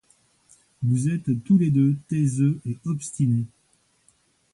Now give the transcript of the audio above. Vous êtes tous les deux taiseux et obstinés.